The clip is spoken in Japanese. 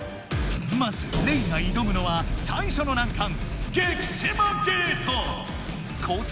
まずレイがいどむのは最初の難関コース